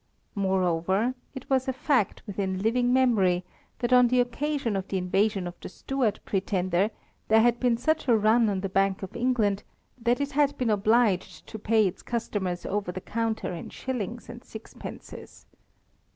Moreover it was a fact within living memory that on the occasion of the invasion of the Stuart Pretender there had been such a run on the Bank of England that it had been obliged to pay its customers over the counter in shillings and sixpences.